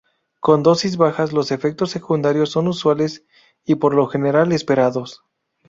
Con dosis bajas, los efectos secundarios son usuales y por lo general esperados.